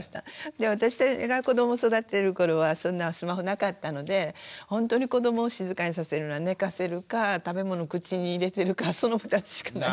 で私が子どもを育ててる頃はそんなスマホなかったのでほんとに子どもを静かにさせるのは寝かせるか食べ物口に入れてるかその２つしかない。